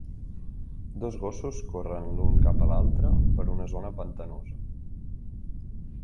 Dos gossos corren l'un cap a l'altre per una zona pantanosa.